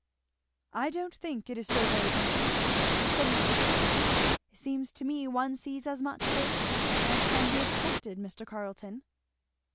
"I don't think it is so very uncommon," said Mrs. Thorn. "It seems to me one sees as much of it as can be expected, Mr. Carleton."